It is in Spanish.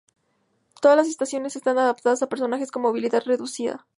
Todas las estaciones están adaptadas a personas con movilidad reducida.